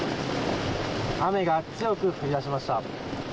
雨が強く降りだしました。